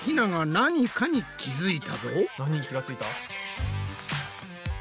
何に気が付いた？